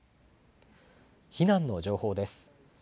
避難の情報です。